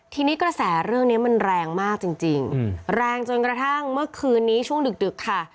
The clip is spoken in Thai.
ทีนี้กระแสเรื่องนี้มันแรงมากจริงแรงจนกระทั่งเมื่อคืนนี้ช่วงดึกค่ะ